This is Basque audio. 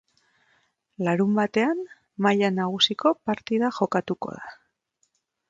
Larunbatean maila nagusiko partida jokatuko da.